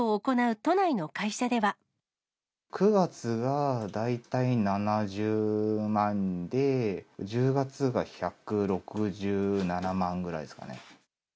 ９月は大体７０万で、１０月が１６７万ぐらいですかね。